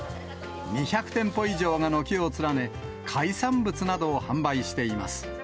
２００店舗以上が軒を連ね、海産物などを販売しています。